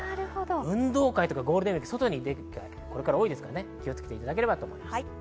運動会とかゴールデンウイーク、外に出る機会多いですから気をつけていただければと思います。